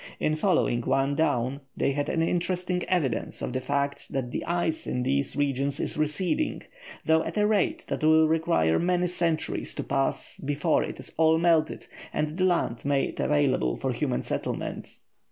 In following one down they had an interesting evidence of the fact that the ice in these regions is receding, though at a rate that will require many centuries to pass before it is all melted and the land made available for human settlement.